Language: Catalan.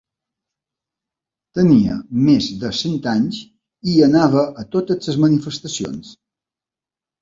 Tenia més de cent anys i anava a totes les manifestacions.